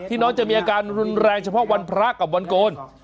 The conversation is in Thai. น้องจะมีอาการรุนแรงเฉพาะวันพระกับวันโกน